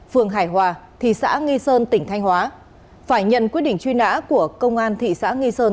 phường hải hòa thị xã nghi sơn tỉnh thanh hóa phải nhận quyết định truy nã của công an thị xã nghi sơn